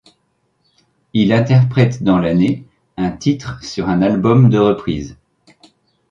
Il interprète dans l'année un titre sur un album de reprises.